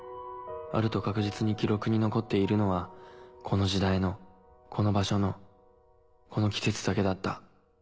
あると確実に記録に残っているのはこの時代のこの場所のこの季節だけだった。